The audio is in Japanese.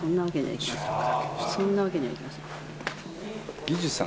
そんなわけにはいきません。